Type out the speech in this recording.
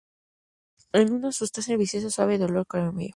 Es una sustancia viscosa de un suave color amarillo y sabor ácido.